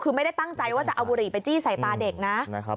คือไม่ได้ตั้งใจว่าจะเอาบุหรี่ไปจี้ใส่ตาเด็กนะครับ